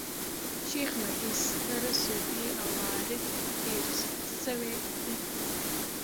شېخ متي ستر صوفي او عارف تېر سوی دﺉ.